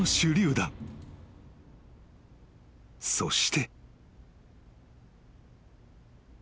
［そして］